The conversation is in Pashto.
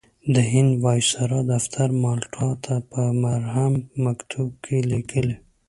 د هند د وایسرا دفتر مالټا ته په محرم مکتوب کې لیکلي.